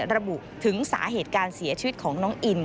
ระบุถึงสาเหตุการเสียชีวิตของน้องอิน